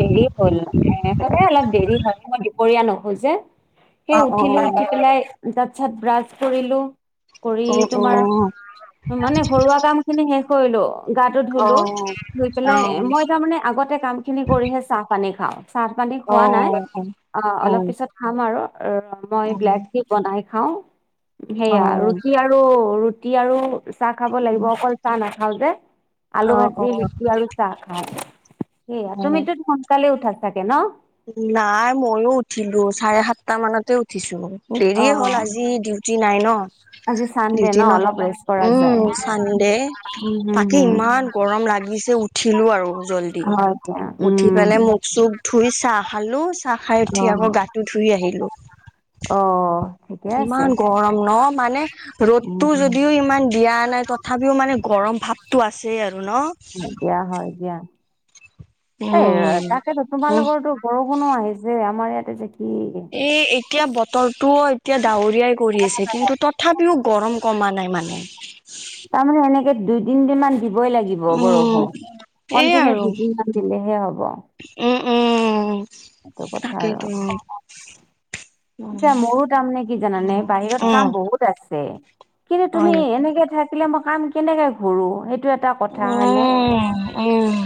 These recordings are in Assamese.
দেৰি হল ত আল [unintelligible] দেৰি হয়ই দুপৰীয়া নহয় যে সেই উঠিলৈ উঠি পেলাই তাৰপিছত ব্ৰাছ কৰিলো কৰি তোমাৰ মানে ঘৰুৱা কাম খিনি শেষ কৰিলো গাটো ধুলো ধুই পেলাই মই তাৰমানানে আগতে কাম খিনি কৰিহে চাহ পানী খাওঁ চাহ পানী খোৱা নাই অ অলপ পিছত খাম আৰু অ মই ব্লেক টি বনাই খাও সেয়া ৰুটি আৰু ৰুটি আৰু চাহ খাব লাগিব অকল চাহ নাখাওঁ যে আলু ভাজি তিনি জোতিআৰু আৰু চাহ খায় সেয়া তুমিতো সোনকালে উঠা চাগে ন নাই মইয়ো উঠিলো চাৰে সাতটা মানতে উঠিছো অ দেৰিয়ে হল আজি ডিউটি নাই ন আজি চানডে দিউতি ন অলপ ৰেষ্ট কৰা যায়। উম চানডে উম হম তাকে ইমান গৰম লাগে নিজেও উঠিলো আৰু জলদি হম হয় দিয়া উঠি উম পেলে মোক চোখ ধুই চাহ খালো চাহ খাই অ উঠি আকৌ গাটো ধুই আহিলো অ আছে ইমান গৰম ন মানে উম ৰ'দতো যদিও ইমান দিয়া নাই তথাপিও মানে গৰম ভাৱটো আছেই আৰু ন হয় দিয়া এ উম তাকেতো তোমাৰ উম লোকৰো বৰষুণো আহিছে আমাৰ ইয়াতে যে কি এ এতিয়া বতৰটো এতিয়া ডাৱৰীয়াই কৰি আছে কিন্তু তথাপিও গৰম কমা নাই মানে তাৰমানে এনেকে দুই তিনদিন মান দিবই লাগিব উম বৰষুণ এই কণ্টিনিউ আৰু দুদি মান দিলেহে হ'ব উম উম সেইটো কথা আৰু তাকেইতো [unintelligible] উম এতিয়া মোৰো তাৰ মানে কি জানানে বাহিৰত কাম উম বহুত আছে কিন্তু হয় তুমি নেকি এনেকে থাক থাছিলে মই কাম কৰো সেই টো এটা কথা হয় ন উম উম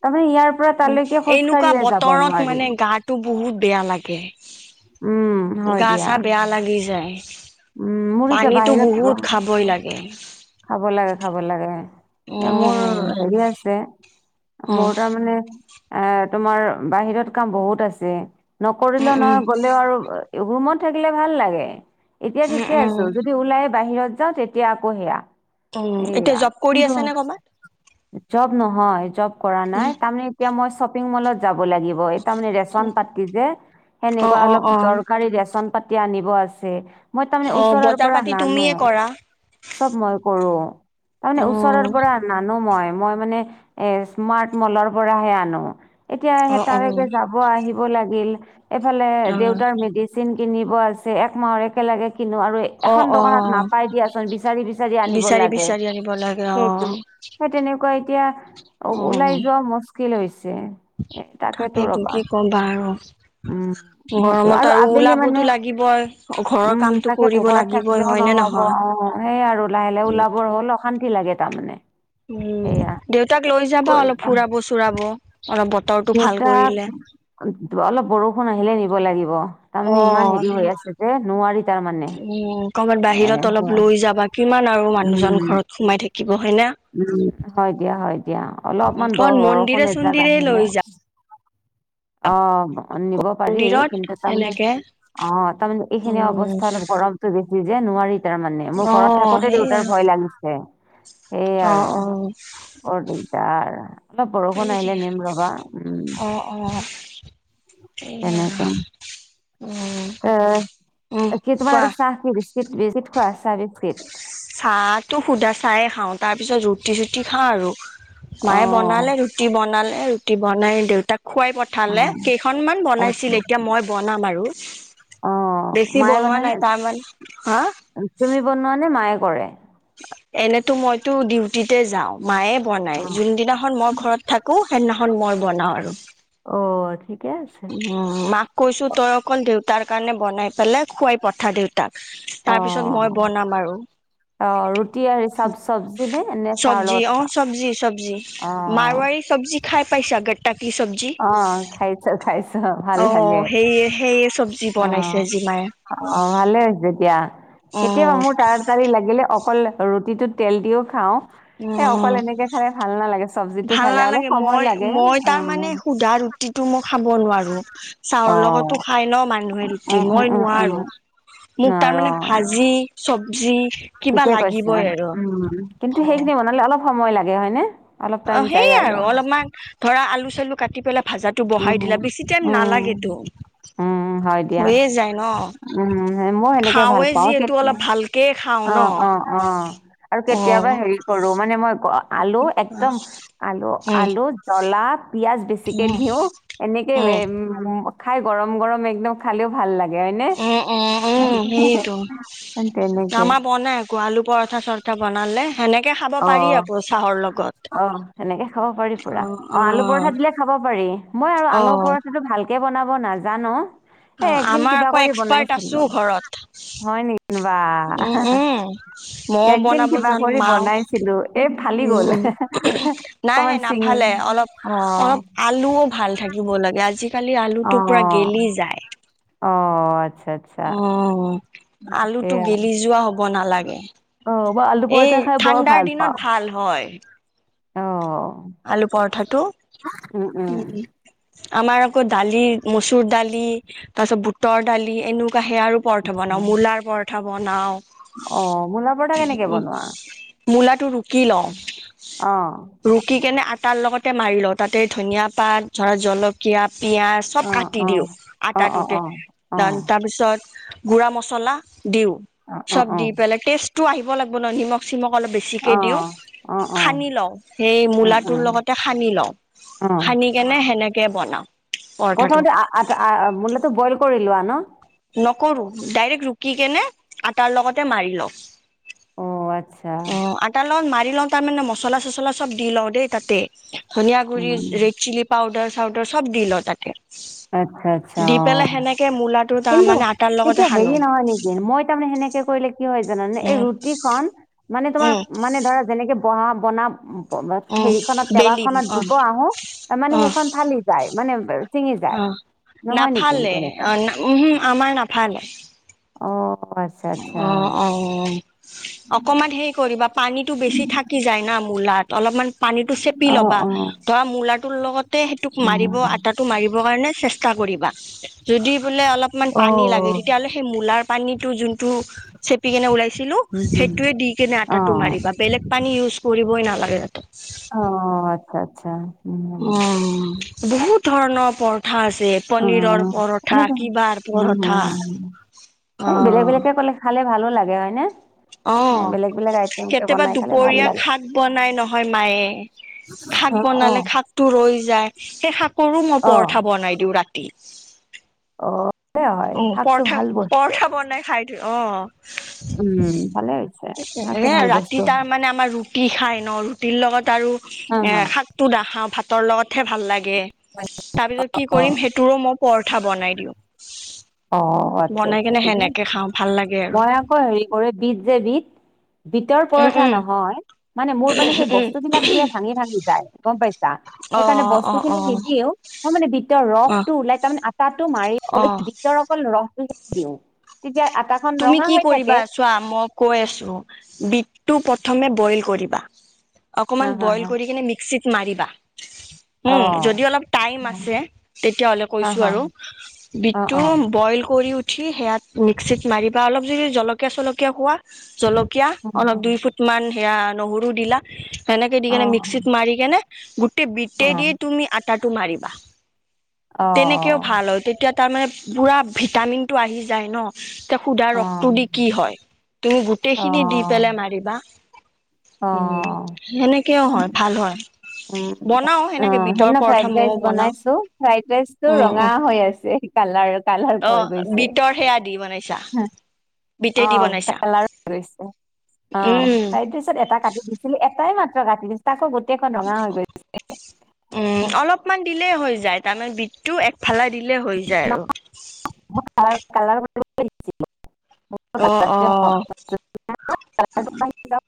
তাৰমানে ইয়াৰ পৰা তালৈকে এনেকুৱা খোজকাঢ়িয়ে যাব বতৰত নোৱাৰি। মানে গাটো বহুত বেয়া লাগে উম হয় গা দিয়া চা বেয়া লাগি যায় উম মোৰ এতিয়া পানীতো বাহিৰত বহুত খাবই লাগে। খাব লাগে খাব লাগে এয়া মোৰ উম, হেৰি আছে উম। মোৰ তাৰমানানে এ তোমাৰ বাহিৰত কাম বহুত আছে উম, নকৰিলেও উম, নহয় গ'লেও আৰু ৰুমত থাকিলে ভাল লাগে এতিয়া উম, ঠিকে উম, আছো যদি ওলাই বাহিৰত যাওঁ তেতিয়া আকৌ সেয়া উম, এতিয়া এয়া জব কৰি আছা নে ক'বাত? জব নহয় জব কৰা নাই উম। তাৰমানে এতিয়া মই শ্বপিং মলত যাব লাগিব তাৰমানে ৰেচন পাতি যে অ', সেনেকুৱা অ', অলপ অ'। দৰকাৰী ৰেচন পাতি আনিব আছে মই তাৰমানে অ', ওচৰৰ বজাৰ পৰা পাতি নানো তুমিয়ে কৰা? চব মই কৰো তাৰমানে ওচৰৰ অ', পৰা নানো মই মই মানে এ স্মাৰ্ট মলৰ পৰাহে আনো এতিয়া স অ', তালকে অ'। যাব আহিব লাগিল এইফালে অ', দেউতাৰ মেডিচিন কিনিব আছে একমাহৰ একেলগে কিনো আৰু এখন অ', অ দোকানত নাপাই দিয়াচোন বিচাৰি বিচাৰি আনি লাগে বিচাৰি আনিব লাগে সেই অ'। তেনেকুৱা এতিয়া উম। ওলাই যোৱা মস যে [unintelligible] এ তাকেতো তাকেইতো ৰবা কি ক'বা আৰু উম সেইটো গৰমত আৰু আবেলি ওলাবতো মানে লাগিবই। ঘৰৰ উম কামটো তাকেতো কৰিব ঘৰত লাগিবই থাকিলেও হয় নে নহব অ নহয়? সেইয়া আৰু লাহে লাহে উম। ওলাবৰ হ'ল অশান্তি লাগে তাৰমানে উম সেয়া দেউতাক লৈ যাবা অলপ কৰিবা ফুৰাব চুৰাব অলপ বতৰটো ভাল দেউতাক কৰিলে অলপ বৰষুণ আহিলে নিব লাগিব তাৰমানে অ ইমান হেৰি হৈ আছে যে নোৱাৰি তাৰমানে উম কবাত এ বাহিৰত অলপ সেয়া লৈ যাবা কিমান আৰু মানুহজন উম ঘৰত সোমাই থাকিব হয় না উম হয় দিয়া হয় দিয়া অলপমান বৰ কাৰণ মন্দিৰে বৰষুণ এজাক চন্দিৰে লৈ আহিলে যা অ নিব পাৰি মন্দিৰত কিন্তু তাৰমানে এনেকে অ তাৰমানে এইখিনি উম অৱস্থা অলপ গৰমতটো বেছি যে নোৱাৰি তাৰমানে মোক অ ঘৰত থাক সেইয়া দেউতাৰ ভয় লাগিছে সেইয়ে অ আৰু অ বৰ দিগদাৰ অলপ বৰষুণ আহিলে নিম ৰবা উম অ অ তেনেক উম উম কি তোমাৰ কোৱা চাহ কি দিছে বিস্কুট খোৱা [unintelligible] চাহটো সোধা চাহে খাওঁ তাৰপিছত ৰুটি চুটি খাওঁ আৰু মায়ে অ', বনালে ৰুটি বনালে ৰুটি বনাই দেউতাক খোৱাই পঠালে অ', কেইখনমান আচ্ছা বনাইছিল এতিয়া মই বনাম আৰু অ', বেছি মায়ে বনোৱা বনাই নে? নাই তাৰ মান হা তুমি বনোৱা মায়ে কৰে এনেতো মইতো ডিউটিতে যাওঁ মায়ে বনাই অ', যোনদিনাখন মই ঘৰত থাকো সেইদিনাখন মই বনাওঁ আৰু অ ঠিক উ মাক কৈছো তই অকল দেউতাৰ কাৰণে বনাই পেলাই খোৱাই পঠা দেউতাক তাৰ পিছত মই অ', বনাম আৰু অ', ৰুটি আৰু চব চবজি নে, নে চাহৰ চবজি লগত অ খোৱা? চবজি চব্জি অ'। মাৰুৱাৰী চব্জি খাই পাইছা গত্তাকি চব্জি অ', খাইছো ভাল অ লাগে সেই সেইয়ে চব্জি অ বনাইছে আজি মায়ে অ ভালে হৈছে দিয়া অ কেতিয়াবা মোৰ তাতাৰি লাগিলে অকল ৰুটিটোত তেল দিও খাওঁ এ অকল উম এনেকে খালে ভাল নালাগে চব্জিটো ভাল খালে অলপ নালাগে সময় মই লাগে মই অ তাৰ মানে সুধা ৰুটিটো মই খাব নোৱাৰো চাহৰ লগতো অ'। খাই ন মানুহে ৰুটি উম, উম, মই উম, উম, নোৱাৰো মোক তাৰ মানে ভাজি চবজি কিবা ঠিকেই কৈছা লাগিবই আৰু। উ কিন্তু সেইখিনি বনালে অলপ সময় লাগে হয় নে অ সেইয়াই আৰু অলপমান ধৰা আলু চালু কাটি পেলাই ভাজাটো উম, বঢ়াই দিলা বেছি টাইম উম, নালাগেতো উম, হয় দিয়া। হৈয়ে যায় ন উম, মইও সেনেকে ভাল খাওৱে পাওঁ যিহেতু কেতিয়া অলপ ভালকে খাওঁ। অ ন। অ অ আৰু অ কেতিয়াবা হেৰি কৰো মানে মই ক আলু একদম আলু উম আলু জ্বলা পিয়াজ বেছিকে উম দি দিও এনেকে উম উ খাই গৰম গৰম একদম খালেও ভাল লাগে- যেনে উম উম উম সেইয়েটো তেনেকে আমাৰ বনাই আকৌ আলু পৰঠা চৰঠা বনালে। সেনেকে খাব অ পাৰি আকৌ চাহৰ লগত। অ তেনেকে খাব পাৰি পুৰা অ আলু পৰঠা দিলে খাব পাৰি মই আৰু অ আলু পৰঠাটো ভালকে বনাব নাজানো। এ অ একদিন আমাৰ কিবা আকৌ কৰি এক্সপাৰ্ট আছো বনাইছিলো। ঘৰত হয় নেকি? বা উম উম মইও একদিন বনাব কিবা জানো কৰি মাও বনাই ছিলো এই ফালি উম গল উম নাই অকমান নাই চিঙি নাফালে অলপ অ অলপ আলুও ভাল থাকিব লাগে আজিকালি আলুটো পুৰা অ', গেলি যায়। অ আচ্ছ উম আলুটো সেয়া গেলি যোৱা হব নালাগে। অ', মই আলু এই পৰঠা খাই বৰ ঠাণ্ডাৰ ভাল দিনত পাওঁ ভাল হয়। অ'। আলু পৰঠাটো উম, উম। উ আমাৰ আকৌ দালি, মচুৰ দালি তাৰ পিছত বুটৰ দালি এনো কোৱাহে আৰু পৰঠা আচ্ছা বনাওঁ মূলাৰ পৰঠা বনাও অ মূলা পৰঠা কেনেকে বনোৱা? মূলাটো ৰুকি লও। অহ মানে আটাৰ লগতে মাৰি লওঁ তাতে ধনিয়া পাত ধৰ জলকীয়া পিয়াজ চব অ', কাটি অ'। দিওঁ অ', অ', আটাটোতে অ', অ', অ', দান তাৰপিছত গুৰা মছলা দিও অ', অ', চব অ', অ', দি অ'। পেলাই টেষ্টটো আহিব লাগিব ন নিমখ চিমখ অলপ বেছিকে দিও উম, সানি লও সে- গোলাটোৰ উম, লগতে সানি লও অ', সানি কেনে সেনেকে বনাও। প্ৰথমতে আ আ মূলাটো বইল কৰি লোৱা ন। নকৰো ডাইৰেক্ট ৰুকি কেনে আটাৰ লগতে মাৰি লও। অ আত অ আটা লগত মাৰি লও তাৰমানে মচলা চচলা চব দি লও দেই তাতে ধনিয়া গুড়ি উম, ৰেড চিলি পাউদাৰ চাউদাৰ চব দি ল তাতে আচ্ছা আচ্ছা দি অ পেলাই সেনেকে মূলাটো কিন্তু তাৰমানে আটাৰ লগতে তেতিয়া সানো হেৰি নহয় নেকি মই তাৰমানে সেনেকে কৰিলে কি হয় জানানে এই উম ৰুটি খন মানে তোমাৰ উম মানে ধৰা যেনেকে বহা বনা উম হেৰিখনত টৱা বেলিম খনত অ দিব আহো তাৰ মানে অ সেইখন ফালি যায় মানে চিঙি যায়। অ নহয় নেকি নাফালে তেনেকুৱা অ উম আমাৰ নাফালে অ আচ্ছা আচ্ছা অ অ অকমান হেৰি কৰিবা পানীতো বেছি থাকি যায় না মূলাত অলপমান পানীতো চেপি অ ল'বা অ ধৰা মূলাটোৰ লগতে সেইটোক মাৰিব আটাটো মাৰিবৰ কাৰণে চে- ষ্টা কৰিবা যদি বোলে অলপমান অ পানী লাগে তেতিয়া হ'লে মূলাৰ পানীটো যোন টো চেপি কেনে উলাইছিলো উম হম সেইটো দি কিনে অ আটাটো মাৰিবা বেলেগ পানী ইউজ কৰিবই নালাগে যাতে। অ আচ্ছা আচ্ছা। উম বহুত ধৰণৰ পৰ ঠা আছে অ পনীৰৰ পৰঠা এনেকে কিবা পৰঠা। এ অ বেলেগ বেলেগে ক'লে খালে ভালো লাগে হয় নে? অ কেতিয়াবা খালে ভাল দুপৰীয়া লাগে। শাক বনাই নহয় মায়ে। শাক অ অ। বনালে শাকটো ৰৈ যায়। সেই শাকৰো মই অ পৰঠা বনাই দিও ৰাতি। অ হয় অ শাকটো পৰঠা ভাল বস্তু পৰঠা বনাই খাই থু। অ। [unintelligible] ভালে হৈছে। শাকটো এ ভাল ৰাতি বস্তু তাৰ হয়। মানে আমাৰ ৰুটি খাই ন। ৰুটিৰ লগত তাৰো হা এ হা শাকটো নাখাওঁ। ভাতৰ লগতহে ভাল লাগে। তাৰপিছত কি অ। কৰিম সেইটোৰো মই পৰঠা বনাই দিওঁ। অ আচ্ছা বনাই আচছা কেনে ঠিকে। সেনেকে খাওঁ ভাল লাগে আৰু মই আকৌ হেৰি কৰে বিত যে বিত। বিত ৰ উম পৰঠা উম নহয়। মানে মোৰ মানে সেই উম বস্তু বিলাক যে ভাঙি ভাঙি যায়। পাইছা। অ সেইকাৰণে অ বস্তু অ খিনি নিদিয়েও মই মানে বিতৰ ৰস অ টো ওলাই তাৰমানে আটাটো মাৰি অ ৰ অকল ল [unintelligible] তেতিয়া আ তুমি কি কৰিবা ছোৱা মই কৈ আছো। বিতটো প্ৰ থমে বইল কৰিবা। অকমান হা হা বইল হা। কৰি কিনে মিক্সিত মাৰিবা। উম অ। যদি অলপ টাইম আছে তেতিয়াহলে হা কৈছো হা আৰু। অ বিতটো অ বইল কৰি উঠ। উঠি সেয়াত মিক্সিত মাৰিবা অলপ যদি জলকীয়া চলকীয়া খোৱা। জল কীয়া অ অলপ দুই ফুট মান সেয়া নহৰু দিলা। সেনেকে দি অ অ কেনে মিক্সিত মাৰি কেনে। গোটেই অ বিতেই দি তুমি আটাটো মাৰিবা। অ তেনেকেও ভাল হয়। তেতিয়া তাৰমানে পুৰা ভিটামিনটো আহি যায় ন। সুধা ৰসটো দি কি হয়। তুমি অ গোটেইখিনি দি পেলাই মাৰিবা। অ উম সেনেকেও হয় ভাল হয়। উ বনাও অ সেনেকে বিটৰ হেদিনা পৰঠা ফ্ৰাইড ময়ও ৰাইচ বনাও বনাইছো। ফ্ৰাইড ৰাইচ টো উম ৰঙা উম হৈ আছে। কালাৰ কালাৰ হৈ গৈছে। আতছা। অ কালাৰ গৈছে, অ উম ফ্ৰাইড ৰাইচত এটা কাটি দিছিলে। এটাই মা ত্ৰ কাটি তাকো গো উম অলপমান দি দিলে হৈ যায়। তাৰমানে বিতটো একফালা দিলে হৈ যায় আৰু। কালাৰ [unintelligible] অ অ। অহ হওক, কালাৰটো আহি যাওক,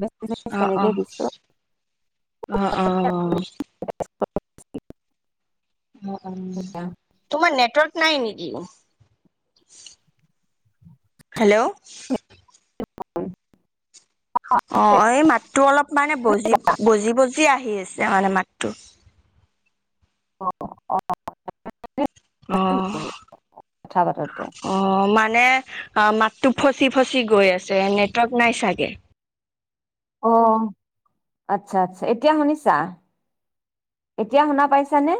বেছি বেছি অহ, তেনেকেই দিছো অহ অহ। [unintelligible] অ উম তোমাৰ নেটৱৰ্ক নাই নিকি? হেল্ল'। হয়। অ এই মাতটো অলপ মানে বজি বজি বজি আহি আছে মানে মাতটো। অ অ। অ কথা পাতোতে অ মা নে মাতটো ফচি ফচি গৈ আছে নেটৱৰ্ক নাই চাগে। অ, আচ্ছা আচ্ছা এতিয়া শুনিছা? এতিয়া শুনা পাইছানে?